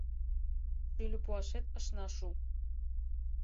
Шӱльӧ пуашет ышна шу.